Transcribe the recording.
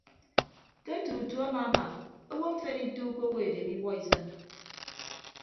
Ke tutu amaama owo mfen ituukọ owo edem iwuọ isịn.